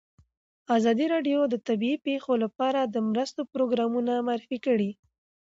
ازادي راډیو د طبیعي پېښې لپاره د مرستو پروګرامونه معرفي کړي.